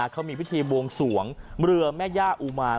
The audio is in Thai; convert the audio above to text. เขามีพิธีบวงสวงเรือแม่ย่าอุมาร